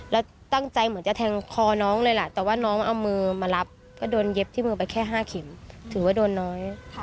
แล้วตั้งใจเหมือนจะแทงคอน้องเลยล่ะแต่ว่าน้องเอามือมารับก็โดนเย็บที่มือไปแค่๕เข็มถือว่าโดนน้อย